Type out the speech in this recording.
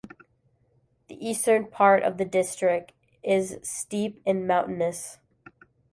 The eastern part of the District is steep and mountainous.